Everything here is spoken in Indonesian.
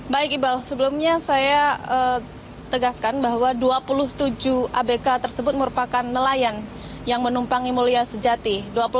baik iqbal sebelumnya saya tegaskan bahwa dua puluh tujuh abk tersebut merupakan nelayan yang menumpangi mulia sejati